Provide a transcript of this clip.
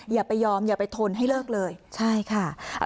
อย่าไปยอมอย่าไปทนให้เลิกเลยใช่ค่ะ